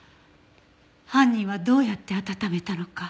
犯人はどうやって温めたのか。